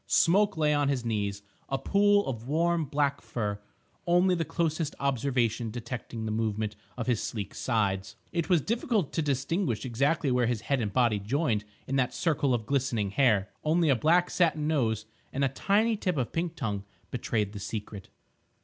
Smoke lay on his knees, a pool of warm, black fur, only the closest observation detecting the movement of his sleek sides. It was difficult to distinguish exactly where his head and body joined in that circle of glistening hair; only a black satin nose and a tiny tip of pink tongue betrayed the secret.